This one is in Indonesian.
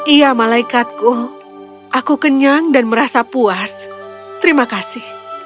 iya malaikatku aku kenyang dan merasa puas terima kasih